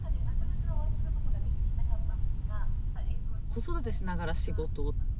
子育てしながら仕事。